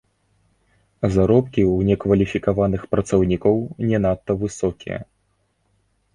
Заробкі ў некваліфікаваных працаўнікоў не надта высокія.